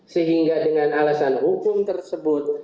sehingga dengan alasan hukum tersebut